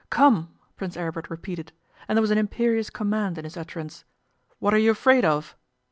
'Come,' Prince Aribert repeated, and there was an imperious command in his utterance. 'What are you afraid of?